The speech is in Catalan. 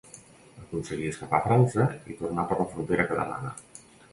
Aconseguí escapar a França i tornar per la frontera catalana.